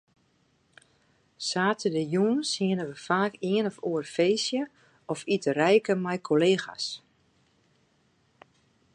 Saterdeitejûns hiene we faak ien of oar feestje of iterijke mei kollega's.